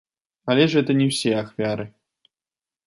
Але ж гэта не ўсе ахвяры.